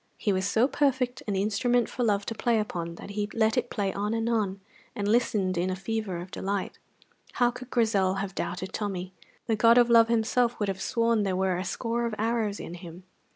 He was so perfect an instrument for love to play upon that he let it play on and on, and listened in a fever of delight. How could Grizel have doubted Tommy? The god of love himself would have sworn that there were a score of arrows in him.